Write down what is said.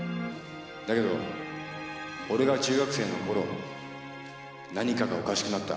だけど俺が中学生の頃何かがおかしくなった。